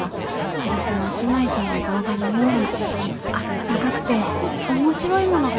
カリスマ姉妹さんの動画のようにあったかくて面白いものが作れたらなと。